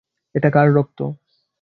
এটা কার রক্ত?